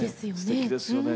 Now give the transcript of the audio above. すてきですよね。